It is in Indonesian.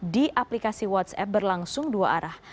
di aplikasi whatsapp berlangsung dua arah